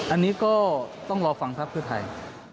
อันนี้ก็ต้องรอฟังพักเพื่อไทย